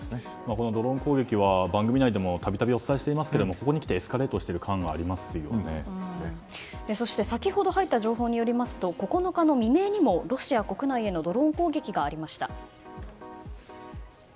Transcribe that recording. このドローン攻撃は番組内でも度々お伝えしていますがここに来てエスカレートしている感が先ほど入った情報によりますと９日の未明にもロシア国内にドローン攻撃がありました。